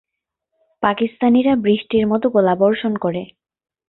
পাকিস্তানিরা বৃষ্টির মতো গোলাবর্ষণ করে।